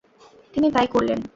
তিনি তাই করলেন।